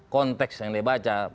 konteks yang dibaca